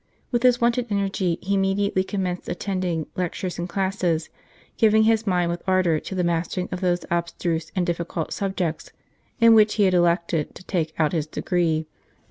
With his wonted energy, he immediately commenced attending lectures and classes, giving his mind with ardour to the mastering of those abstruse and difficult subjects in which he had elected to take out his degree.